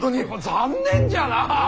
残念じゃなあ！